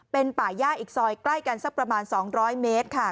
เป็นป่าย่าอีกซอยใกล้กันสักประมาณ๒๐๐เมตรค่ะ